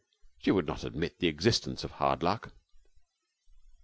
She would not admit the existence of hard luck.